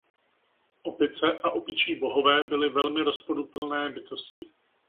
Opice a opičí bohové byli velmi rozporuplné bytosti.